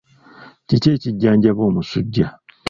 Kiki ekijjanjaba omusujja?